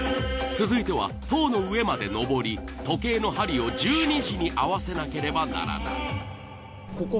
続いては塔の上まで登り時計の針を１２時に合わせなければならない。